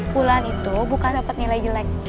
bulan itu bukan dapat nilai jelek